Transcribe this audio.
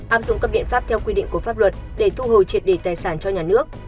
áp dụng các biện pháp theo quy định của pháp luật để thu hồi triệt đề tài sản cho nhà nước